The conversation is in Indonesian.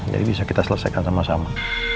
jadi bisa kita selesaikan sama sama